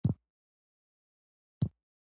کوم شرایط او کوم صورت ورته اړین دی؟